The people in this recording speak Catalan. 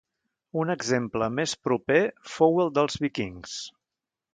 Un exemple més proper fou els dels Vikings.